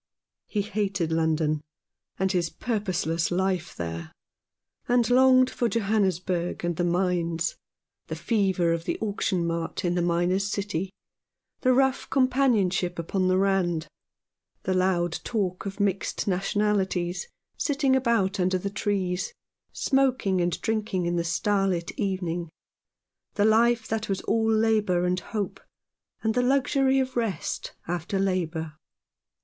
He hated London, and his purposeless life there, and longed for Johannesburg and the mines ; the fever of the auction mart in the miner's city ; the rough companionship upon the Rand ; the loud talk of mixed nationalities, sitting about under the trees, smoking and drinking in the 195 Rough Justice. starlit evening ; the life that was all labour and hope, and the luxury of rest after labour.